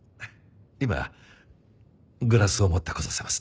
今グラスを持ってこさせます。